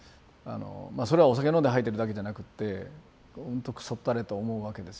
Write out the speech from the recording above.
それはお酒飲んで吐いてるだけじゃなくってほんとくそったれと思うわけですよね。